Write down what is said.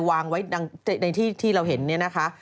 วางไว้ในที่เราเห็นเนี่ยนะคะ